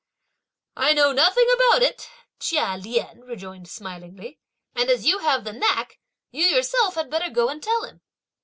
"I know nothing about it," Chia Lien rejoined smilingly, "and as you have the knack you yourself had better go and tell him!"